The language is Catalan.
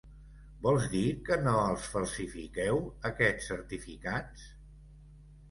Vols dir que no els falsifiqueu, aquests certificats?